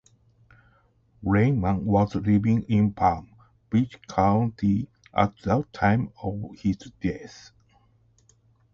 Reinman was living in Palm Beach County at the time of his death.